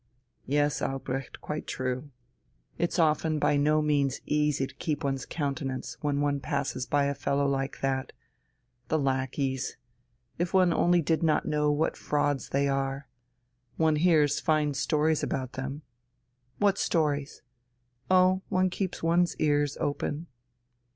"Yes, Albrecht, quite true. It's often by no means easy to keep one's countenance when one passes by a fellow like that. The lackeys! If one only did not know what frauds they are! One hears fine stories about them...." "What stories?" "Oh, one keeps one's ears open...."